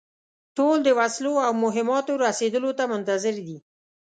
ټول د وسلو او مهماتو رسېدلو ته منتظر دي.